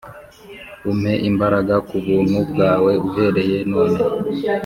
umpe imbaraga ku buntu bwawe uhereye none